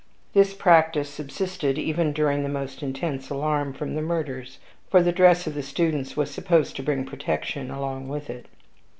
This practice subsisted even during the most intense alarm from the murderers; for the dress of the students was supposed to bring protection along with it.